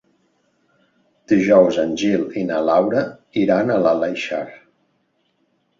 Dijous en Gil i na Laura iran a l'Aleixar.